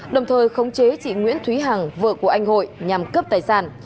đồng thời khống chế chị nguyễn thúy hằng vợ của anh hội nhằm cướp tài sản